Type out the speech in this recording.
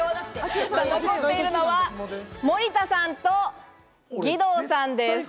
残っているのは森田さんと義堂さんです。